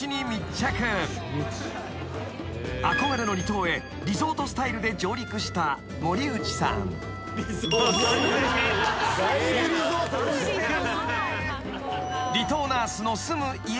［憧れの離島へリゾートスタイルで上陸した森内さん］だいぶリゾートですよ。